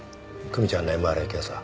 久美ちゃんのＭＲＩ検査。